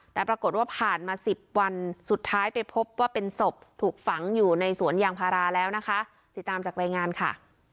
แต่ปรากฏว่าผ่านมาสิบวันสุดท้ายไปพบว่าเป็นศพถูกฝังอยู่ในสวนยางพาราแล้วนะคะ